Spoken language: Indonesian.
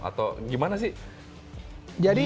atau gimana sih